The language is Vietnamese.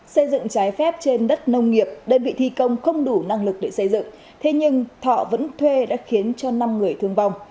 xây dựng trái phép trên đất nông nghiệp đơn vị thi công không đủ năng lực để xây dựng thế nhưng thọ vẫn thuê đã khiến cho năm người thương vong